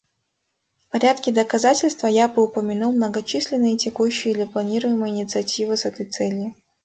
В порядке доказательства я бы упомянул многочисленные текущие или планируемые инициативы с этой целью.